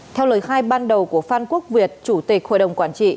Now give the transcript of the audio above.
theo lời khai ban đầu của phan quốc việt chủ tịch hội đồng quản trị